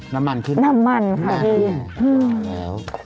น้ำมันขึ้นน้ำมันค่ะขึ้นอืมแล้ว